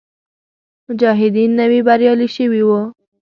مجاهدین نوي بریالي شوي وو.